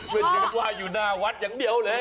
ไม่คิดว่าอยู่หน้าวัดอย่างเดียวเลย